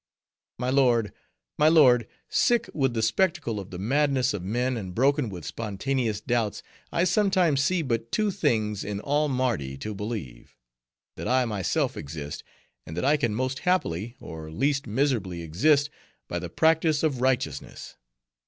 My lord! my lord! sick with the spectacle of the madness of men, and broken with spontaneous doubts, I sometimes see but two things in all Mardi to believe:—that I myself exist, and that I can most happily, or least miserably exist, by the practice of righteousness.